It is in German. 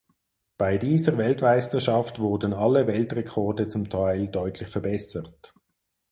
Bei dieser Weltmeisterschaft wurden alle Weltrekorde zum Teil deutlich verbessert.